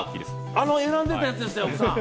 あの選んでたやつですね奥さん。